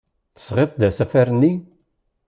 Tesɣiḍ-d asafar-nni?